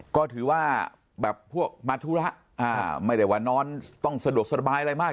ก็ถือว่าแบบพวกมาธุระไม่ได้ว่านอนต้องสะดวกสบายอะไรมาก